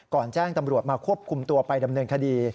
แจ้งตำรวจมาควบคุมตัวไปดำเนินคดี